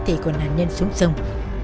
thi thể của nạn nhân xuống sông